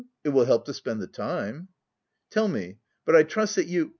It will help to spend the time." "Tell me, but I trust that you..."